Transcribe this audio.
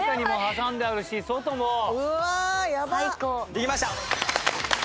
できました！